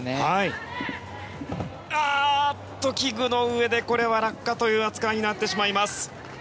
器具の上で、これは落下という扱いになってしまいます。